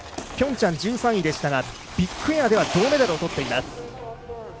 ピョンチャン１３位でしたがビッグエアでは銅メダルをとっています。